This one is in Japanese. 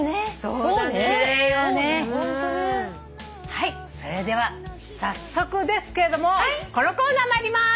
はいそれでは早速ですけれどもこのコーナー参ります！